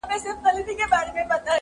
• نسلونه تېرېږي بيا بيا تل..